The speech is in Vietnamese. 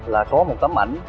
là có một tấm ảnh